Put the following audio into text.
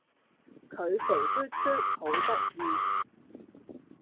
佢肥嘟嘟好得意